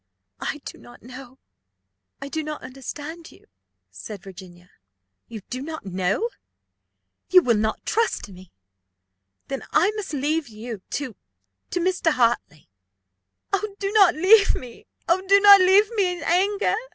"I do not know. I do not understand you," said Virginia. "You do not know! You will not trust me. Then I must leave you to to Mr. Hartley." "Do not leave me oh, do not leave me in anger!"